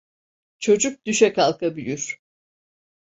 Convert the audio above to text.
Çocuk düşe kalka büyür.